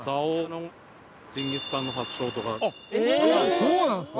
そうなんですか？